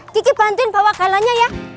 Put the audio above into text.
kiki bantuin bawa galanya ya